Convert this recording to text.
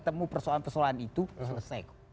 temu persoalan persoalan itu selesai kok